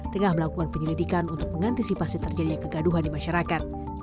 tengah melakukan penyelidikan untuk mengantisipasi terjadinya kegaduhan di masyarakat